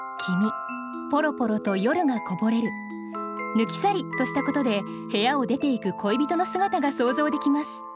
「抜き去り」としたことで部屋を出ていく恋人の姿が想像できます